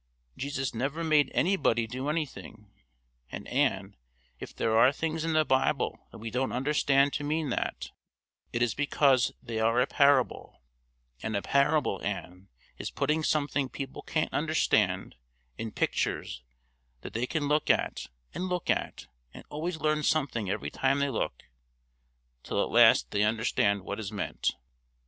Jesus never made anybody do anything; and, Ann, if there are things in the Bible that we don't understand to mean that, it is because they are a parable, and a parable, Ann, is putting something people can't understand in pictures that they can look at and look at, and always learn something every time they look, till at last they understand what is meant.